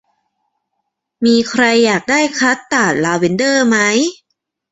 มีใครอยากได้คัสตาร์ดลาเวนเดอร์ไหม